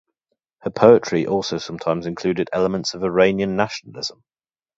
Her poetry also sometimes included elements of Iranian nationalism.